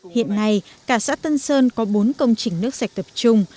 hiện nay cả xã tân sơn có bốn công trình nước sạch tập trung